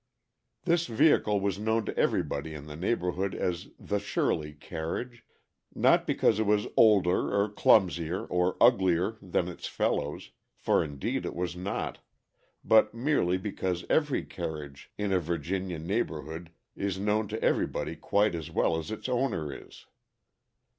This vehicle was known to everybody in the neighborhood as the Shirley carriage, not because it was older or clumsier or uglier than its fellows, for indeed it was not, but merely because every carriage in a Virginian neighborhood is known to everybody quite as well as its owner is.